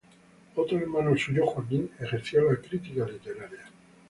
Otro hermano suyo, Joaquín, ejerció la crítica literaria.